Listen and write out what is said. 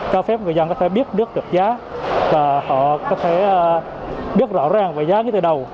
cho phép người dân có thể biết nước được giá và họ có thể biết rõ ràng về giá ngay từ đầu